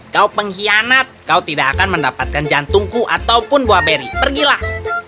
kau pengkhianat kau tidak akan mendapatkan jantungku ataupun buah beri pergilah